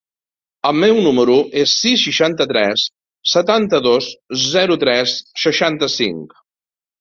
El meu número es el sis, seixanta-tres, setanta-dos, zero, tres, seixanta-cinc.